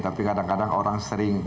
tapi kadang kadang orang sering